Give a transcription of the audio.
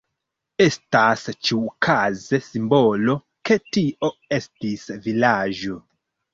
Estas ĉiukaze simbolo, ke tio estis vilaĝo.